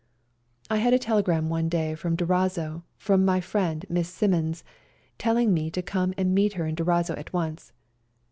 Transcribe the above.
I had a telegram one day from Durazzo from my friend Miss Simmonds, telling me to come and meet her in Durazzo at once.